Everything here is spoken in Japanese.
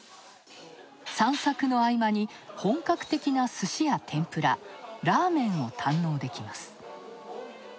散策の合間に本格的なすしや天ぷら、ラーメンを堪能できます。